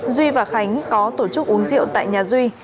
duy và khánh có tổ chức uống rượu tại nhà duy